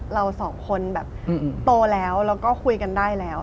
เราสองคนแบบโตแล้วแล้วก็คุยกันได้แล้ว